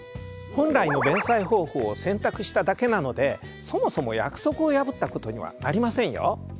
本来の弁済方法を選択しただけなのでそもそも約束を破ったことにはなりませんよ。